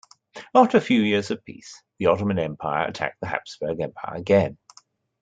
After a few years of peace, the Ottoman Empire attacked the Habsburg Empire again.